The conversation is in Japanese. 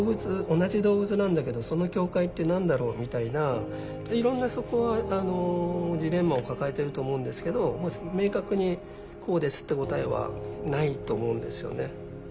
同じ動物なんだけどその境界って何だろうみたいな。でいろんなそこはジレンマを抱えてると思うんですけど明確にこうですって答えはないと思うんですよね。